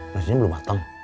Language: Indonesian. nasinya belum matang